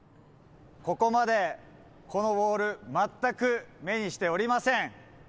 ここまでこのウォール、全く目にしておりません。